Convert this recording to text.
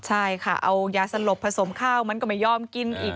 ใช่ค่ะเอายาสลบผสมข้าวมันก็ไม่ยอมกินอีก